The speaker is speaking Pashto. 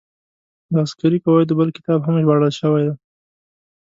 د عسکري قواعدو بل کتاب هم ژباړل شوی دی.